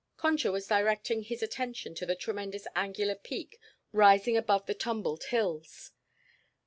Concha was directing his attention to the tremendous angular peak rising above the tumbled hills.